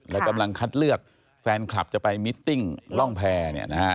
และกำลังคัดเลือกแฟนคลับจะไปมิตติ้งร่องแพร่